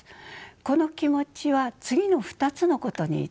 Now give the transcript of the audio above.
この気持ちは次の２つのことにつながります。